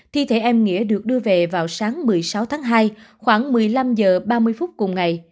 thi thể em nghĩa được đưa về vào sáng một mươi sáu tháng hai khoảng một mươi năm h ba mươi phút cùng ngày